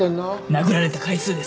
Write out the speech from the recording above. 殴られた回数です。